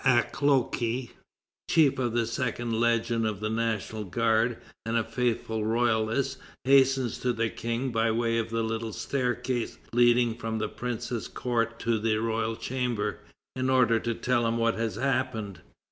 Acloque, chief of the second legion of the National Guard, and a faithful royalist, hastens to the King by way of the little staircase leading from the Princes' Court to the royal chamber, in order to tell him what has happened.